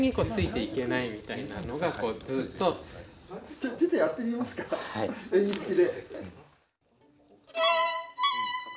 じゃちょっとやってみますか演技つきで。